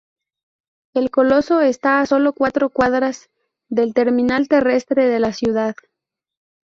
El coloso está a solo cuatro cuadras del Terminal Terrestre de la ciudad.